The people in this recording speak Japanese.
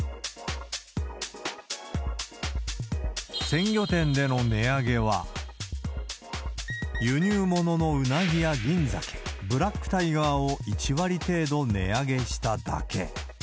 鮮魚店での値上げは、輸入物のウナギや銀ザケ、ブラックタイガーを１割程度値上げしただけ。